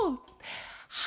は